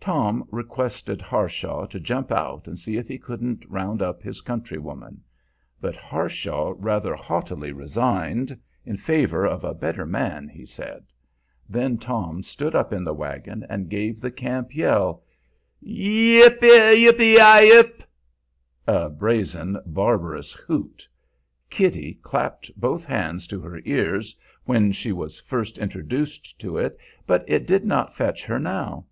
Tom requested Harshaw to jump out and see if he couldn't round up his countrywoman. But Harshaw rather haughtily resigned in favor of a better man, he said. Then Tom stood up in the wagon and gave the camp call, "Yee ee ip! yee ip, ye ip!" a brazen, barbarous hoot. Kitty clapped both hands to her ears when she was first introduced to it, but it did not fetch her now.